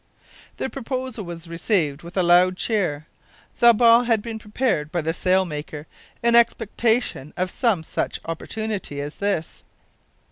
The proposal was received with a loud cheer. The ball had been prepared by the sail maker, in expectation of some such opportunity as this.